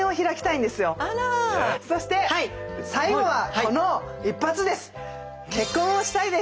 そして最後はこの一発です。